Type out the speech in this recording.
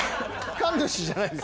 神主じゃない？